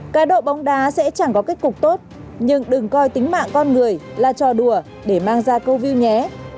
cá độ bóng đá sẽ chẳng có kết cục tốt nhưng đừng coi tính mạng con người là trò đùa để mang ra câu view nhé